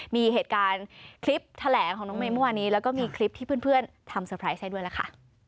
มีเหตุการณ์คลิปแถลงของน้องเมย์เมื่อวานนี้แล้วก็มีคลิปที่เพื่อนทำเซอร์ไพรส์ให้ด้วยล่ะค่ะ